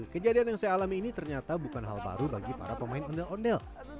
kejadian yang saya alami ini ternyata bukan hal baru bagi para pemain ondel ondel